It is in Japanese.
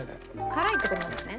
辛いって事なんですね？